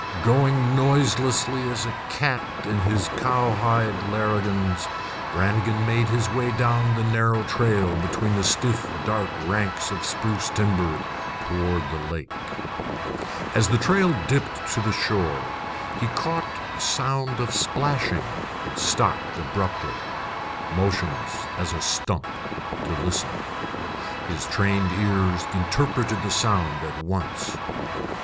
Going noiselessly as a cat in his cowhide larrigans, Brannigan made his way down the narrow trail between the stiff dark ranks of the spruce timber toward the lake. As the trail dipped to the shore he caught a sound of splashing, and stopped abruptly, motionless as a stump, to listen. His trained ears interpreted the sound at once.